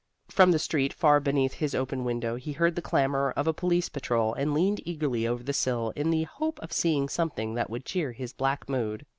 From the street, far beneath his open window, he heard the clamor of a police patrol and leaned eagerly over the sill in the hope of seeing something that would cheer his black mood.